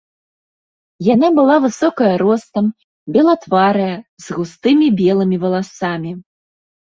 Яна была высокая ростам, белатварая, з густымі белымі валасамі.